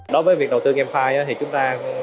đối với việc đầu tư gamefi thì chúng ta